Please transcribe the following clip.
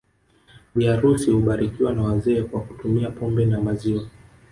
Bi harusi hubarikiwa na wazee kwa kutumia pombe na maziwa